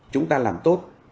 chúng ta làm tốt